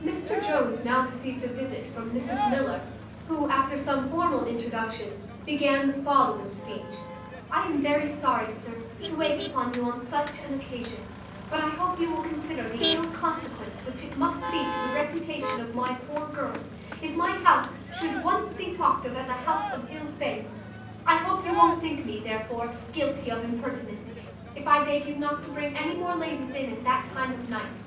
Mr Jones now received a visit from Mrs Miller, who, after some formal introduction, began the following speech: "I am very sorry, sir, to wait upon you on such an occasion; but I hope you will consider the ill consequence which it must be to the reputation of my poor girls, if my house should once be talked of as a house of ill fame. I hope you won't think me, therefore, guilty of impertinence, if I beg you not to bring any more ladies in at that time of night.